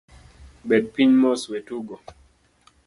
Bed piny mos, wetugo.